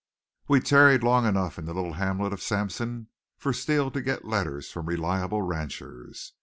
We tarried long enough in the little hamlet of Sampson for Steele to get letters from reliable ranchers.